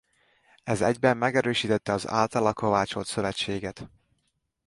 Ez egyben megerősítette az általa kovácsolt szövetséget.